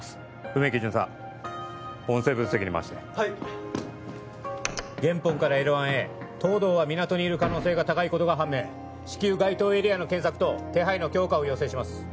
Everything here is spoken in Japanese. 梅木巡査音声分析にまわしてはいっゲンポンからＬ１へ東堂は港にいる可能性が高いことが判明至急該当エリアの検索と手配の強化を要請します